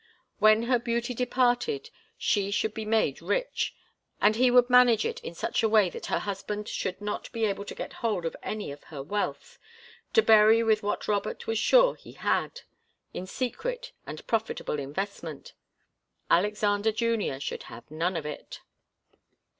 When her beauty departed, she should be made rich, and he would manage it in such a way that her husband should not be able to get hold of any of her wealth, to bury with what Robert was sure he had, in secret and profitable investment. Alexander Junior should have none of it.